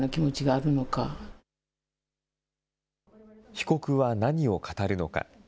被告は何を語るのか。